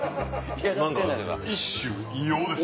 一種異様です。